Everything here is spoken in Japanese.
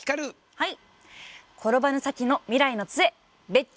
はい。